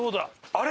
あれ？